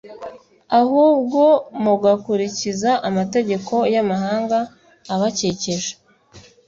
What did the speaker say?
ahubwo mugakurikiza amategeko y’amahanga abakikije